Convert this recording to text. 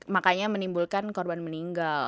makanya menimbulkan korban meninggal